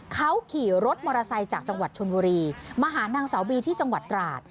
เขาขี่รถมอเตอร์ไซค์จากจังหวัดชนบุรีมาหานางสาวบีที่จังหวัดตราด